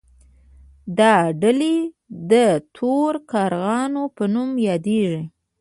دا ډلې د تورو کارغانو په نوم یادیدلې.